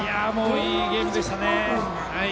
いいゲームでしたね。